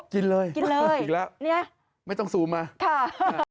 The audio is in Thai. กินเลยอีกแล้วไม่ต้องซูมมาค่ะค่ะ